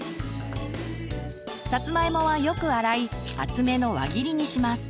さつまいもはよく洗い厚めの輪切りにします。